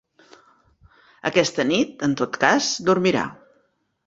Aquesta nit, en tot cas, dormirà.